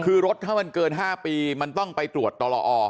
คือรถถ้ามันเกิน๕ปีมันต้องไปตรวจตลอ